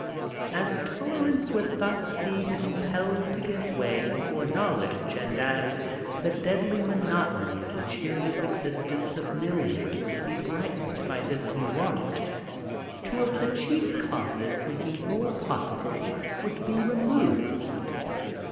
As tolerance would thus he com pelled to give mray hef ore knowledge and as the deadly monotony of Ike ckeeiiess existence of mfllions would he hrigktened hy this new art, two of Ike ckirf causes making war possihle would he removed.